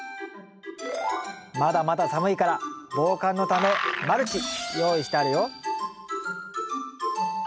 まだまだ寒いから防寒のためマルチ用意してあるよ。